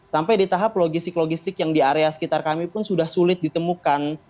sampai di tahap logistik logistik yang di area sekitar kami pun sudah sulit ditemukan